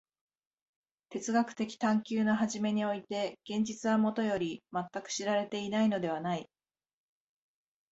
哲学的探求の初めにおいて現実はもとより全く知られていないのではない。